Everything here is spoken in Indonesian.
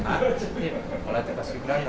ah pelatih pas kibra